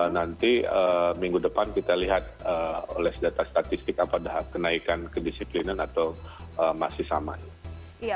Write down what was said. nanti minggu depan kita lihat oleh data statistik apa kenaikan kedisiplinan atau masih sama ya